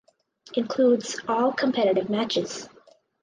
Includes all competitive matches.